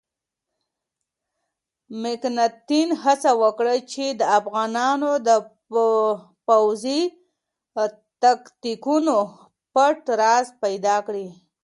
مکناتن هڅه وکړه چې د افغانانو د پوځي تاکتیکونو پټ راز پیدا کړي.